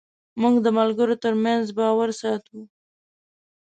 موږ د ملګرو تر منځ باور ساتو.